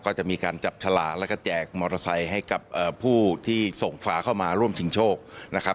ก็จะมีการจับฉลากแล้วก็แจกมอเตอร์ไซค์ให้กับผู้ที่ส่งฝาเข้ามาร่วมชิงโชคนะครับ